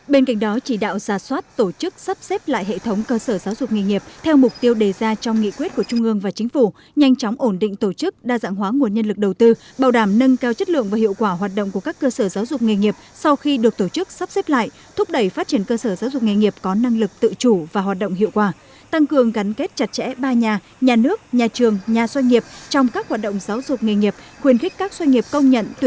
bên cạnh đó chỉ đạo giả soát tổ chức sắp xếp lại hệ thống cơ sở giáo dục nghề nghiệp theo mục tiêu đề ra trong nghị quyết của trung ương và chính phủ nhanh chóng ổn định tổ chức đa dạng hóa nguồn nhân lực đầu tư bảo đảm nâng cao chất lượng và hiệu quả hoạt động của các cơ sở giáo dục nghề nghiệp sau khi được tổ chức sắp xếp lại thúc đẩy phát triển cơ sở giáo dục nghề nghiệp có năng lực tự chủ và hoạt động hiệu quả tăng cường gắn kết chặt chẽ ba nhà nhà nước nhà trường nhà doanh nghiệp trong các ho